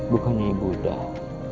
bukannya ibu sudah